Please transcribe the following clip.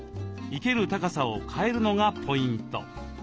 生ける高さを変えるのがポイント。